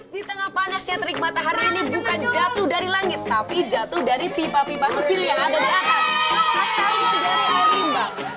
di tengah panasnya terik matahari ini bukan jatuh dari langit tapi jatuh dari pipa pipa kecil yang ada di atas air limba